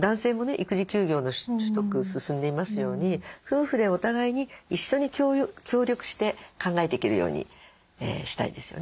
育児休業の取得進んでいますように夫婦でお互いに一緒に協力して考えていけるようにしたいですよね。